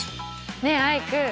ねえアイク。